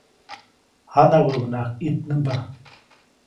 Janawäʼuŋnaʼajk ʼitnämba.